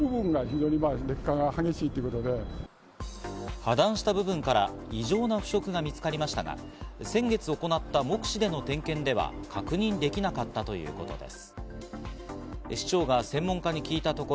破断した部分から異常な腐食が見つかりましたが、先月に行った目視での点検では確認できなかったということです。